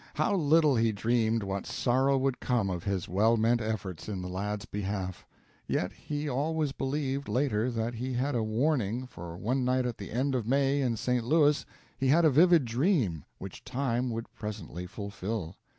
How little he dreamed what sorrow would come of his well meant efforts in the lad's behalf! Yet he always believed, later, that he had a warning, for one night at the end of May, in St. Louis, he had a vivid dream, which time would presently fulfil.